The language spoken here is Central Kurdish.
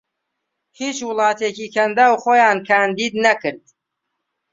هیچ وڵاتێکی کەنداو خۆیان کاندید نەکرد